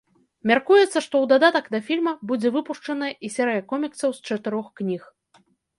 Мяркуецца, што ў дадатак да фільма будзе выпушчаная і серыя коміксаў з чатырох кніг.